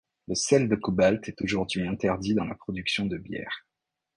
Le sel de cobalt est aujourd'hui interdit dans la production de bière.